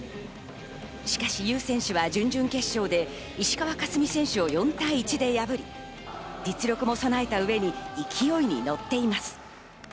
しかしユー選手は準々決勝で石川佳純選手を４対１で破り、実力も備えた上に勢いに乗っています。